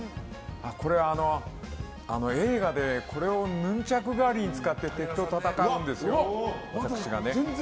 これは映画でこれをヌンチャク代わりに使って敵と戦うんですよ。